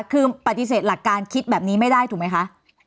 คือปฏิเสธหลักการคิดแบบนี้ไม่ได้ถูกไหมคะ